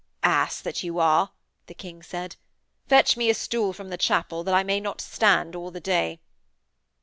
'Ass that you are,' the King said, 'fetch me a stool from the chapel, that I may not stand all the day.'